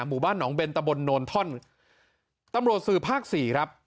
หมู่บ้านหนองเบนตะบนโนนท่อนตำรวจสื่อภาคสี่ครับ